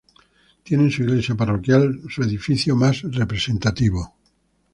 Tiene en su iglesia parroquial su edificio más representativo.